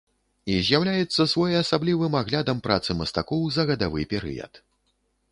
І з'яўляецца своеасаблівым аглядам працы мастакоў за гадавы перыяд.